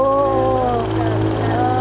terima kasih ya bu